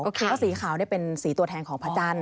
เพราะสีขาวเป็นสีตัวแทนของพระจันทร์